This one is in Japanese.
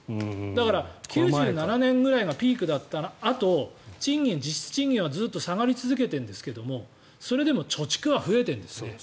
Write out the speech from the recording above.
だから、９７年ぐらいがピークだったあと実質賃金はずっと下がり続けているんですけどそれでも貯蓄は増えているんですね。